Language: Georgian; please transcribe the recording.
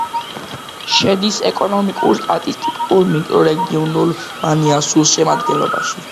შედის ეკონომიკურ-სტატისტიკურ მიკრორეგიონ მანიუასუს შემადგენლობაში.